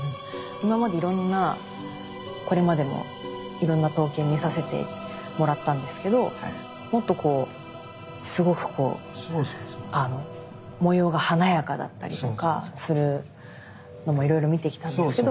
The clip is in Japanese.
今までいろんなこれまでもいろんな刀剣見させてもらったんですけどもっとこうすごくこう模様が華やかだったりとかするのもいろいろ見てきたんですけど。